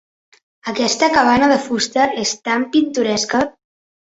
Aquesta cabana de fusta és tan pintoresca.